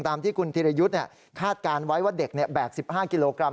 ตามที่คุณธิรยุทธ์คาดการณ์ไว้ว่าเด็กแบก๑๕กิโลกรัม